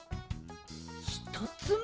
ひとつめ！